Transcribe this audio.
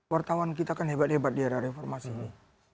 wartawan kita kan hebat hebat di era reformasi ini